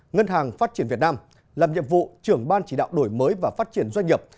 ngân hàng phát triển việt nam làm nhiệm vụ trưởng ban chỉ đạo đổi mới và phát triển doanh nghiệp